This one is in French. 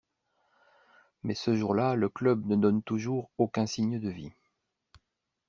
Mais ce jour-là, le club ne donne toujours aucun signe de vie.